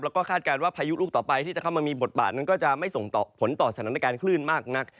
แล้วก็คาดการณ์ว่าพายุลูกต่อไปที่จะเข้ามามีบทบาทนั้นก็จะไม่ส่งผลต่อสถานการณ์คลื่นมากนัก